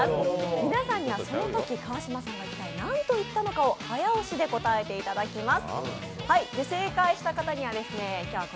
皆さんにはそのとき川島さんが何と言ったのかを早押しで答えていただきます。